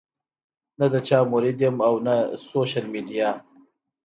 نۀ د چا مريد يم او نۀ سوشل ميډيا